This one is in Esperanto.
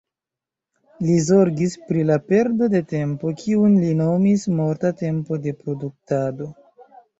Li zorgis pri la perdo de tempo, kiun li nomis morta tempo de produktado.